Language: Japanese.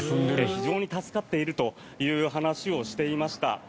非常に助かっているという話をしていました。